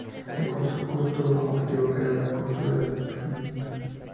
El concurso tuvo como objetivo crear una cultura de emprendimiento.